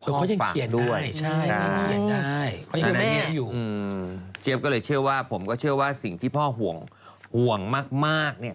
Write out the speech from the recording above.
พ่อฟังด้วยเจี๊ยบก็เลยเชื่อว่าผมก็เชื่อว่าสิ่งที่พ่อห่วงห่วงมากเนี่ย